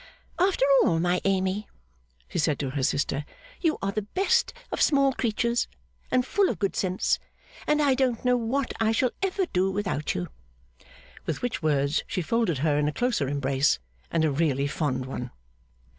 'After all, my Amy,' she said to her sister, 'you are the best of small creatures, and full of good sense; and I don't know what I shall ever do without you!' With which words she folded her in a closer embrace, and a really fond one.